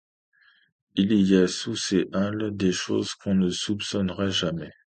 Il y a, sous ces Halles, des choses qu’on ne soupçonnerait jamais.